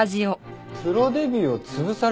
プロデビューを潰された？